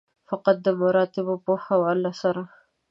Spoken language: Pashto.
فقط د مراتبو په حواله سره.